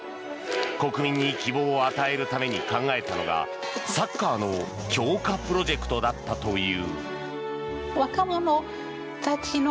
国民に希望を与えるために考えたのがサッカーの強化プロジェクトだったという。